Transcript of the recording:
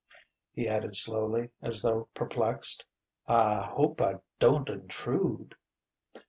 he added slowly, as though perplexed "I hope I don't intrude...."